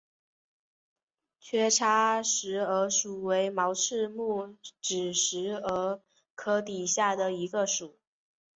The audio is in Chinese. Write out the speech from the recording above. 缺叉石蛾属为毛翅目指石蛾科底下的一个属。